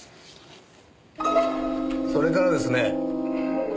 それからですね